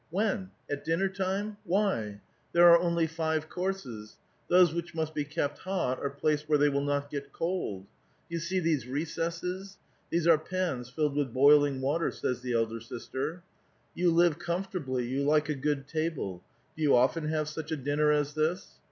"When? At dinner time? Why? There are only five courses: those which must be kept hot are placed where they will not get cold. Do you see these recesses? These are pans filled with boiling water," says the elder sister. "You live comfortably, you like a good table ; do 3'ou often have such a dinner as this?"